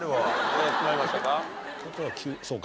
決まりましたか？